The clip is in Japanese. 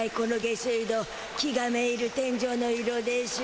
気がめいる天じょうの色でしゅ。